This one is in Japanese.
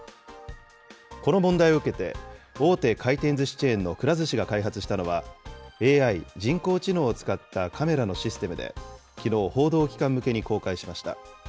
この問題を受けて、大手回転ずしチェーンのくら寿司が開発したのは、ＡＩ・人工知能を使ったカメラのシステムで、きのう、報道機関向けに公開しました。